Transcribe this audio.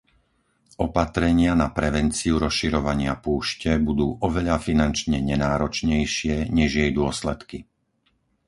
Opatrenia na prevenciu rozširovania púšte budú oveľa finančne nenáročnejšie, než jej dôsledky.